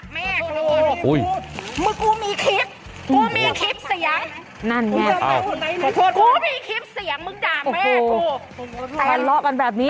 มึงขอโทษกูมึงด่าแม่ขนาดนี้